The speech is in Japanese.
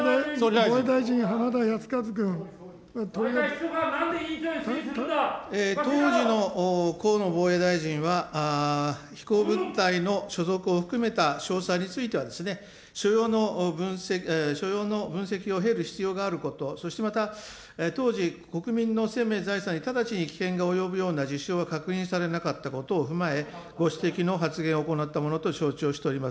防衛大臣、当時の河野防衛大臣は、飛行物体の所属を含めた詳細についてはですね、所要の分析を経る必要があること、そしてまた、当時国民の生命財産に直ちに危険が及ぶような事象は確認されなかったことを踏まえ、ご指摘の発言を行ったものと承知をしております。